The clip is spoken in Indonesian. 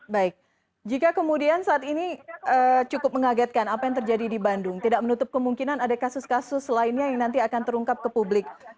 baik jika kemudian saat ini cukup mengagetkan apa yang terjadi di bandung tidak menutup kemungkinan ada kasus kasus lainnya yang nanti akan terungkap ke publik